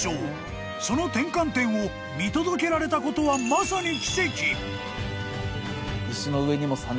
［その転換点を見届けられたことはまさに］